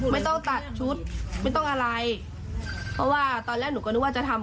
ไม่ต้องตัดชุดไม่ต้องอะไรเพราะว่าตอนแรกหนูก็นึกว่าจะทำ